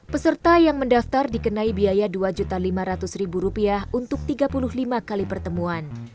peserta yang mendaftar dikenai biaya rp dua lima ratus untuk tiga puluh lima kali pertemuan